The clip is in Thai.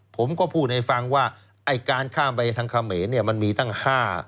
ผมก็พูดในฟังว่าไอ้การข้ามไปถ้างคเมนมันมีตั้งห้า